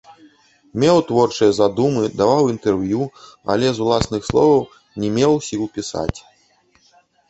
Меў творчыя задумы, даваў інтэрв'ю, але, з уласных словаў, не меў сіл пісаць.